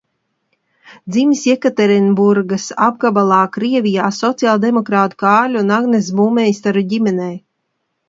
Dzimis Jekaterinburgas apgabalā Krievijā sociāldemokrātu Kārļa un Agneses Būmeisteru ģimenē.